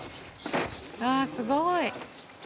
わあすごい！